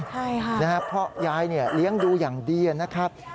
ใช่ค่ะนะครับเพราะยายเนี่ยเลี้ยงดูอย่างดีนะครับ